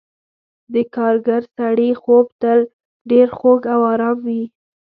د کارګر سړي خوب تل ډېر خوږ او آرام وي.